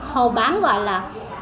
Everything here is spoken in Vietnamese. họ bán gọi là